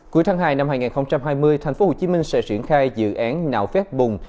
cuối tháng hai năm hai nghìn hai mươi tp hcm sẽ triển khai dự án nào phép bùng